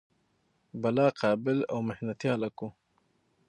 بلا قابل او محنتي هلک و.